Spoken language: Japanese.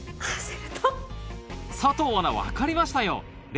佐藤アナ分かりましたよ